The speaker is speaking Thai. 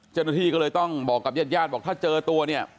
เจ้าหน้าที่ก็เลยต้องบอกกับญาติญาติบอกถ้าเจอตัวเนี่ย